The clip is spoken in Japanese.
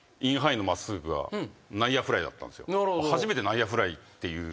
初めて内野フライっていう結果が。